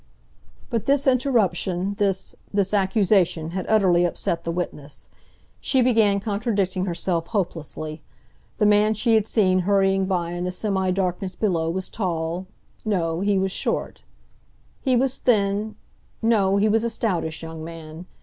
But this interruption, this—this accusation, had utterly upset the witness. She began contradicting herself hopelessly. The man she had seen hurrying by in the semi darkness below was tall—no, he was short. He was thin—no, he was a stoutish young man.